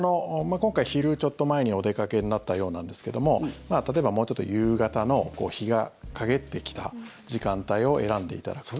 今回、昼ちょっと前にお出かけになったようなんですけども例えばもうちょっと夕方の日が陰ってきた時間帯を選んでいただくとね。